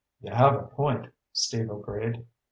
"You have a point," Steve agreed.